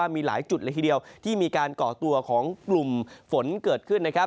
มีหลายจุดละครีเดียวที่กล่อตัวของกลุ่มฝนจุดขึ้น